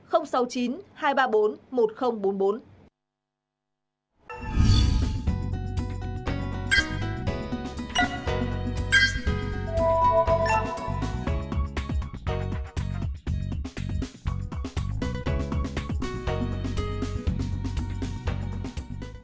hãy đăng ký kênh để ủng hộ kênh của mình nhé